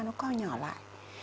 nó co nhỏ lại